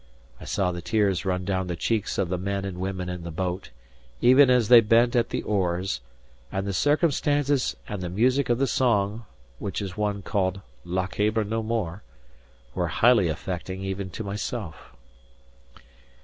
I saw the tears run down the cheeks of the men and women in the boat, even as they bent at the oars; and the circumstances and the music of the song (which is one called "Lochaber no more") were highly affecting even to myself.